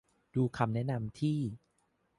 ดูคำแนะนำที่